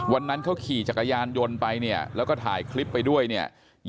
วันนั้นเขาขี่จักรยานยนต์ไปเนี่ยแล้วก็ถ่ายคลิปไปด้วยเนี่ย